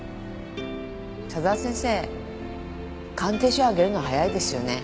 佐沢先生鑑定書あげるの早いですよね。